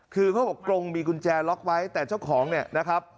คือเขาบอกกรงมีกุญแจล็อกไว้แต่เจ้าของเนี่ยนะครับ